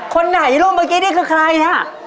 คนไหนลูกเมื่อกี้นี่คือใครฮะ